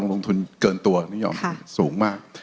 ลงทุนเกินตัวนิยมสูงมาก